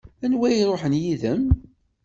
Anwa i iṛuḥen yid-m?